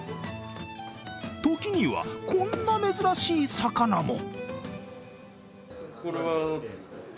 時には、こんな珍しい魚も。